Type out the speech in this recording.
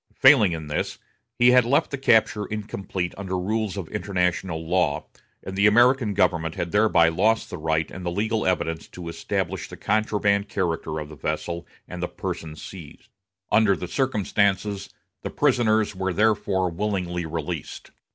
Failing in this, he had left the capture incomplete under rules of international law, and the American government had thereby lost the right and the legal evidence to establish the contraband character of the vessel and the persons seized. Under the circumstances, the prisoners were therefore willingly released.